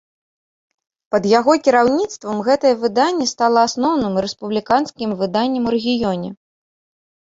Пад яго кіраўніцтвам гэтае выданне стала асноўным рэспубліканскім выданнем у рэгіёне.